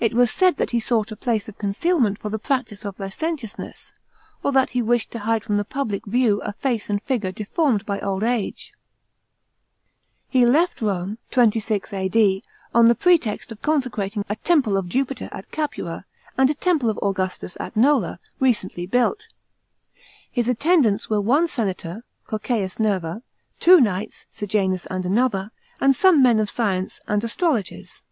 It was said that he souaht a jlice of concealment for the practice of licentiousness; or that he wished to hide from the public view a face and figure deformed by old age. 200 THE PRINCIPATE OF TIBERIUS. CHAP. xm. He left Rome (26 A.D.) on the pretext of consecrating a temple of Jupiter it Capua, and a temple of Augustus at Nola, recently built. His attendants were one senator, Cocceius Nerva; two kuights, Sejanus and another; and some men of science, and astrologers.